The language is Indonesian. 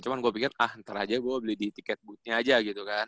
cuman gua pikir ah ntar aja gua beli di tiket boothnya aja gitu kan